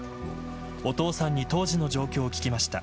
お父さんに当時の状況を聞きました。